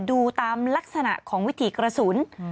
ดูตามลักษณะของวิถีกระสุน